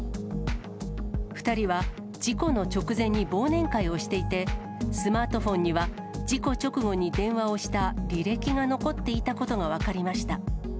２人は事故の直前に忘年会をしていて、スマートフォンには、事故直後に電話をした履歴が残っていたことが分かりました。